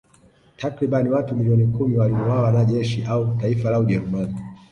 Takriban watu milioni kumi waliuawa na jeshi au taifa la Ujerumani